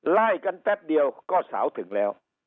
ไล่กันแป๊บเดียวก็สาวถึงแล้ว